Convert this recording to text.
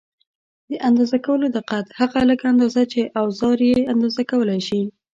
د اندازه کولو دقت: هغه لږه اندازه چې اوزار یې اندازه کولای شي.